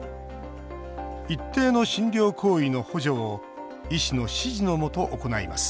一定の診療行為の補助を医師の指示のもと行います